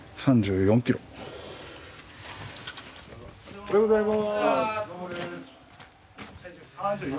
おはようございます。